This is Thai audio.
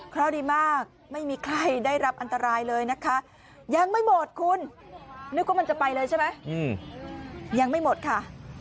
คราวดีมากไม่มีใครได้รับอันตรายเลยนะคะ